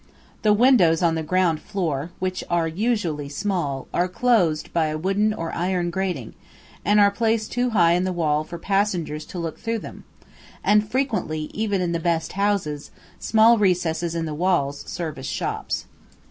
The windows on the ground floor, which are usually small, are closed by a wooden or iron grating, and are placed too high in the wall for passengers to look through them, and frequently, even in the best houses, small recesses in the walls serve as shops.